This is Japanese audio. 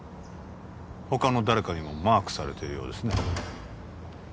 他の誰かにもマークされてるようですね